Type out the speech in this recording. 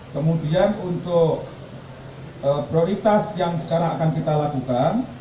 kemudian untuk prioritas yang sekarang akan kita lakukan